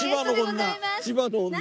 千葉の女